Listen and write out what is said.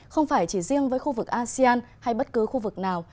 không phải chỉ riêng với khu vực asean hay bất cứ khu vực nào